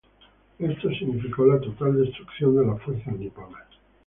Esto significó la total destrucción de las fuerzas niponas.